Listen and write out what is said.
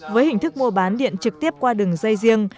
với hình thức mua bán điện trực tiếp qua đường dây riêng